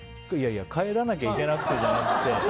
帰らなきゃいけなくてじゃなくて。